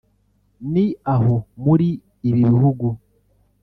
ni aho muri ibi bihugu